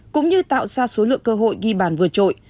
cũng như tạo ra số lượng cơ hội ghi bàn vượt trội